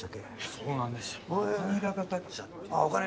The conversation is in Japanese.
そうなんですよ。